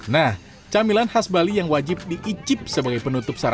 nah camilan khas bali yang wajib diicip sebagai penutup sarapan